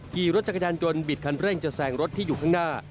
ขี่รถจักรยานยนต์บิดคันเร่งจะแซงรถที่อยู่ข้างหน้า